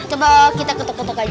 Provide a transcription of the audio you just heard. coba kita ketuk ketuk aja